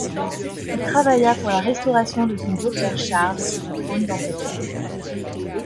Il travailla pour la restauration de son beau-père Charles sur le trône d'Angleterre.